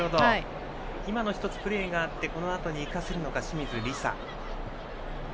今の１つプレーがあってこのあとに生かせるのか清水梨紗。